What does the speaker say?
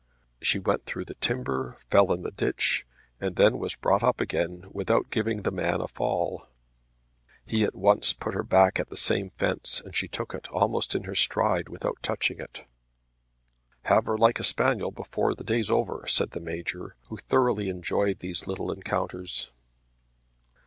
She went through the timber, fell in the ditch, and then was brought up again without giving the man a fall. He at once put her back at the same fence, and she took it, almost in her stride, without touching it. "Have her like a spaniel before the day's over," said the Major, who thoroughly enjoyed these little encounters.